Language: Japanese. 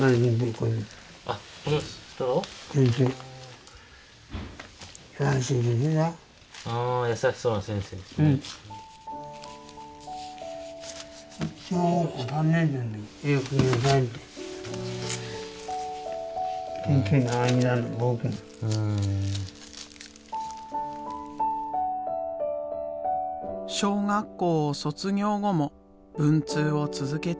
小学校を卒業後も文通を続けていた。